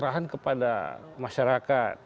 serahan kepada masyarakat